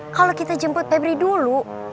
kalau kita jemput pebri dulu